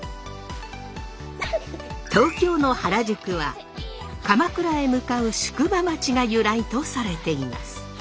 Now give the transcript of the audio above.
東京の原宿は鎌倉へ向かう宿場町が由来とされています。